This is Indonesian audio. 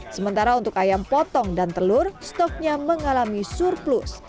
sementara untuk ayam potong dan telur stoknya mengalami surplus